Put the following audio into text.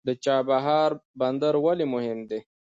د چابهار بندر ولې مهم دی؟